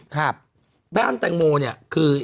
แม่อังแต่งโมเนี่ยคือ